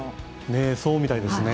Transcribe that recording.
そうみたいですね。